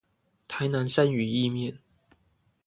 台南鱔魚意麵